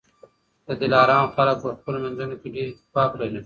د دلارام خلک په خپلو منځونو کي ډېر اتفاق لري.